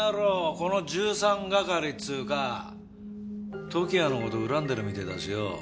この１３係っつうか時矢の事を恨んでるみてえだしよ。